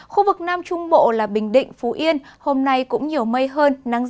khu vực nam trung bộ là bình định phú yên hôm nay cũng nhiều mây hơn